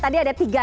tadi ada tiga